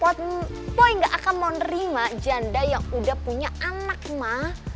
ma adriana punya anak repot boy gak akan mau nerima janda yang udah punya anak ma